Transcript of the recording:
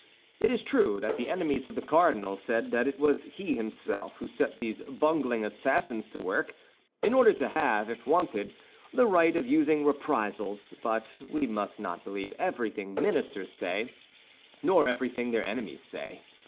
It is true that the enemies of the cardinal said that it was he himself who set these bungling assassins to work, in order to have, if wanted, the right of using reprisals; but we must not believe everything ministers say, nor everything their enemies say.